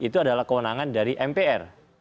itu adalah kewenangan dari mpr